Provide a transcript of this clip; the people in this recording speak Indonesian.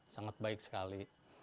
sangat baik sekali